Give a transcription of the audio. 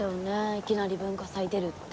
いきなり文化祭出るって。